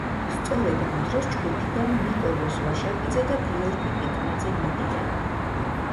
სწორედ ამ დროს ჯგუფიდან ნიკოლოზ ვაშაკიძე და გიორგი კიკნაძე მიდიან.